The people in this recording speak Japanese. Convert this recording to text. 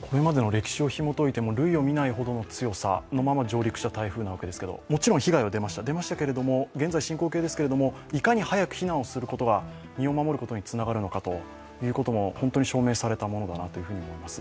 これまでの歴史をひもといても、類を見ないほどの強いで上陸した台風ですけれども、もちろん被害は出ました、現在進行形ですけれどもいかに早く避難することが身を守ることにつながるのかも本当に証明されたものだなと思います。